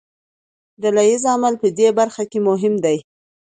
ډله ییز عمل په دې برخه کې مهم دی.